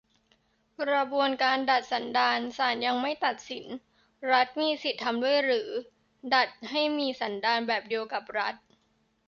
"กระบวนการดัดสันดาน" ? ศาลยังไม่ตัดสิน รัฐมีสิทธิทำด้วยหรือ ? ดัดให้มีสันดานแบบเดียวกับรัฐ ?